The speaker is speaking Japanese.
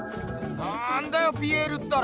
なんだよピエールったら。